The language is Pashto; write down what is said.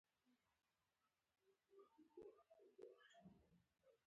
د پانګونې لپاره د سیاسي هوډ ازموینه ده